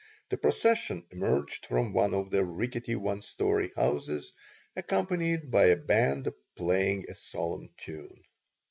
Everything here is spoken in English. The procession emerged from one of the rickety one story houses, accompanied by a band playing a solemn tune.